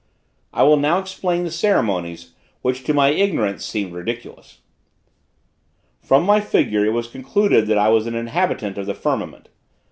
I will now explain the ceremonies, which to my ignorance seemed ridiculous. From my figure it was concluded that I was an inhabitant of the firmament.